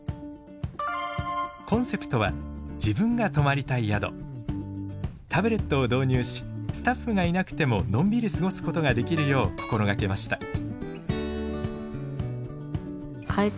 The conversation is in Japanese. コンセプトはタブレットを導入しスタッフがいなくてものんびり過ごすことができるよう心掛けました。